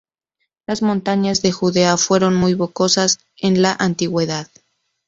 Las montañas de Judea fueron muy boscosas en la antigüedad.